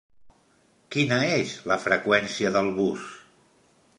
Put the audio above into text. Quina és la freqüència del bus?